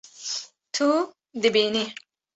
Tu dibînî